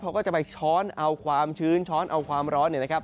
เขาก็จะไปช้อนเอาความชื้นช้อนเอาความร้อนเนี่ยนะครับ